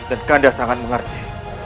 anda sangat mengerti